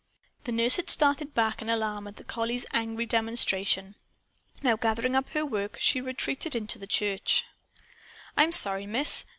The nurse had started back in alarm at the collie's angry demonstration. Now, gathering up her work, she retreated into the church. "I'm sorry, Miss!"